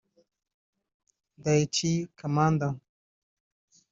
Daichi Kamada